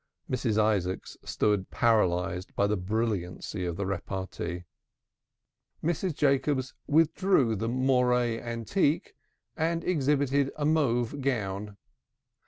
Mrs. Isaacs stood paralyzed by the brilliancy of the repartee. Mrs. Jacobs withdrew the moiré antique and exhibited a mauve gown.